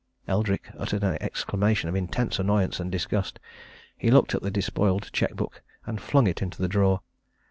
Eldrick uttered an exclamation of intense annoyance and disgust. He looked at the despoiled cheque book, and flung it into the drawer.